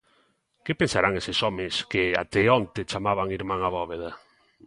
Que pensarán eses homes que até onte chamaban irmán a Bóveda?